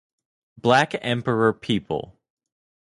Black Emperor people.